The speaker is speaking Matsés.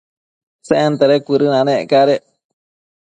Sentede cuëdënanec cadec